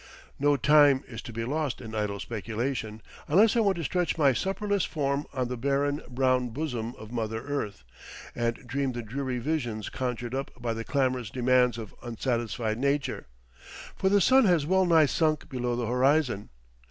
No time is to be lost in idle speculation, unless I want to stretch my supperless form on the barren, brown bosom of mother earth, and dream the dreary visions conjured up by the clamorous demands of unsatisfied nature; for the sun has well nigh sunk below the horizon.